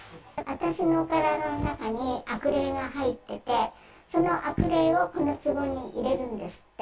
私の体の中に悪霊が入ってて、その悪霊をこのつぼに入れるんですって。